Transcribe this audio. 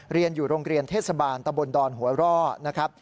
เรียนอยู่โรงเรียนเทศบาลตะบนดอนหัวร่อนะครับ